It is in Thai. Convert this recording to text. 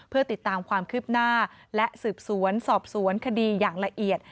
เพื่อติดตามความคืบหน้าและสืบสวนสอบสวนคดีอย่างละเอียด